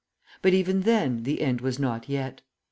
But even then, the end was not yet.